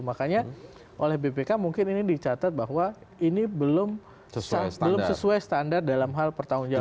makanya oleh bpk mungkin ini dicatat bahwa ini belum sesuai standar dalam hal pertanggung jawaban